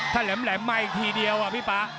ถ้าแหลมมาอีกทีเดียวพี่ป๊า